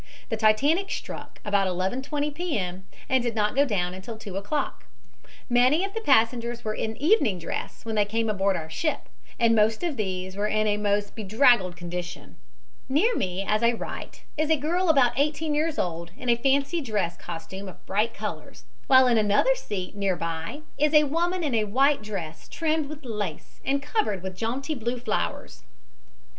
The Titanic struck about 11.20 P. M. and did not go down until two o'clock. Many of the passengers were in evening dress when they came aboard our ship, and most of these were in a most bedraggled condition. Near me as I write is a girl about eighteen years old in a fancy dress costume of bright colors, while in another seat near by is a women in a white dress trimmed with lace and covered with jaunty blue flowers.